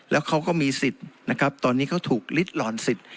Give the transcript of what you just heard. แล้วเขาก็มีสิทธิ์นะครับตอนนี้เขาถูกลิดหล่อนสิทธิ์